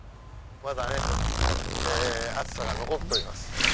まだね暑さが残っております。